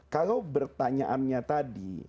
kalau bertanyaannya tadi